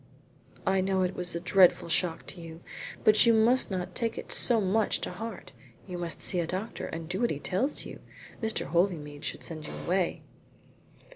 "I know it was a dreadful shock to you, but you must not take it so much to heart. You must see your doctor and do what he tells you. Mr. Holymead should send you away."